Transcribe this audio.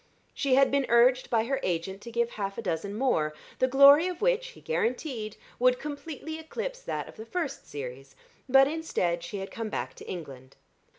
She had been urged by her agent to give half a dozen more, the glory of which, he guaranteed, would completely eclipse that of the first series, but instead she had come back to England.